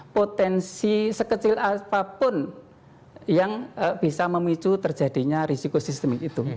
potensi sekecil apapun yang bisa memicu terjadinya risiko sistemik itu